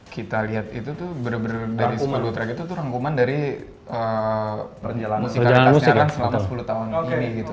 kita lihat itu tuh bener bener dari sepuluh track itu tuh rangkuman dari musik musik yang dikasih alang selama sepuluh tahun ini gitu